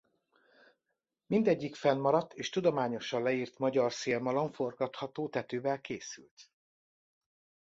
Mindegyik fennmaradt és tudományosan leírt magyar szélmalom forgatható tetővel készült.